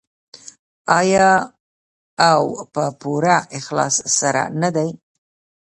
آیا او په پوره اخلاص سره نه دی؟